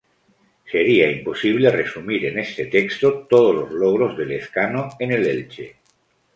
Sería imposible resumir en este texto todos los logros de Lezcano en el Elche.